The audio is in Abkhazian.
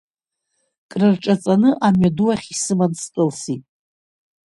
Крырҿаҵаны амҩаду ахь исыман скылсит.